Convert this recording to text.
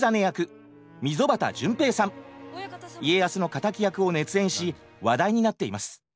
家康の敵役を熱演し話題になっています。